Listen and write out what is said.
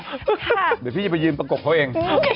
เดี๋ยวพี่จะไปยืนประกบเขาเอง